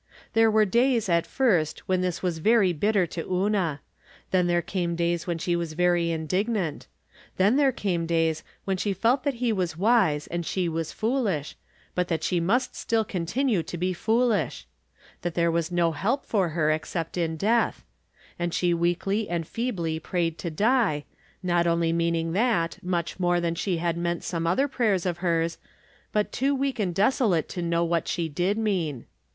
There were days, at first, when this was very bitter to Una ; then there came days when she From Different Standpoints. 313 ■was very indignant ; then there came days wlien she felt that he was wise and she was foolish, but that she must still continue to be foolish ; that there was no help for her except in death ; and she weakly and feebly prayed to die, not really meaning that, much more then she had meant some other prayers of hers, but too weak and desolate to know what she did mean.